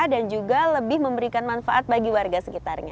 juga lebih memberikan manfaat bagi warga sekitarnya